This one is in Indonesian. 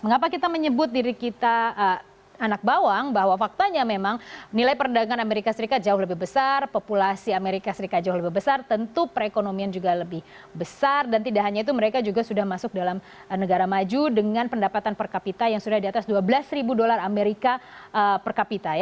mengapa kita menyebut diri kita anak bawang bahwa faktanya memang nilai perdagangan amerika serikat jauh lebih besar populasi amerika serikat jauh lebih besar tentu perekonomian juga lebih besar dan tidak hanya itu mereka juga sudah masuk dalam negara maju dengan pendapatan per kapita yang sudah di atas dua belas dolar amerika per kapita